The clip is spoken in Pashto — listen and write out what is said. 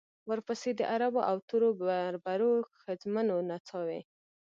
ورپسې د عربو او تورو بربرو ښځمنو نڅاوې.